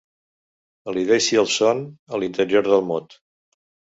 Elideixi els sons a l'interior del mot.